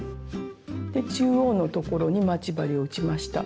で中央のところに待ち針を打ちました。